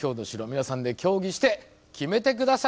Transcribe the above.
皆さんで協議して決めて下さい。